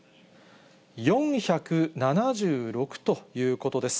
４７６ということです。